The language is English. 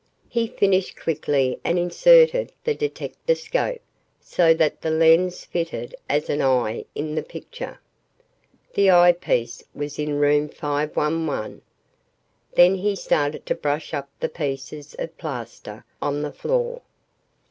He finished quickly and inserted the detectascope so that the lens fitted as an eye in the picture. The eye piece was in Room 511. Then he started to brush up the pieces of plaster on the floor.